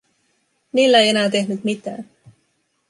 Niillä ei enää tehnyt mitään.